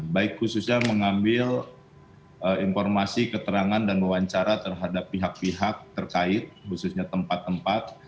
baik khususnya mengambil informasi keterangan dan wawancara terhadap pihak pihak terkait khususnya tempat tempat